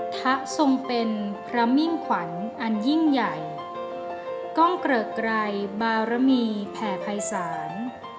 พระทรงเป็นพระมิ่งขวัญอันยิ่งใหญ่กล้องเกริกไกรบารมีแผ่ภัยศาล